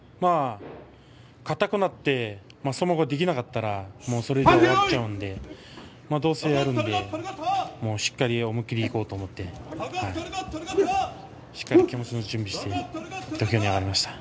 硬くなって相撲ができなかったらそれでは終わるんでどうせやるんで、もうしっかり思い切りいこうと思ってしっかり気持ちの準備をして土俵に上がりました。